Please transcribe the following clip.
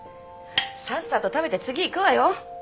さっさと食べて次行くわよ！